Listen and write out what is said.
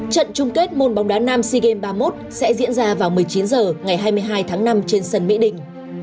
trận chung kết môn bóng đá nam sea games ba mươi một sẽ diễn ra vào một mươi chín h ngày hai mươi hai tháng năm trên sân mỹ đình